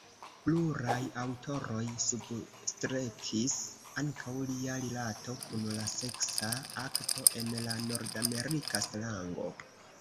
Pluraj aŭtoroj substrekis ankaŭ lia rilato kun la seksa akto en la nordamerika slango.